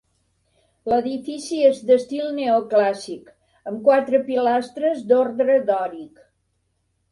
L'edifici és d'estil neoclàssic amb quatre pilastres d'ordre dòric.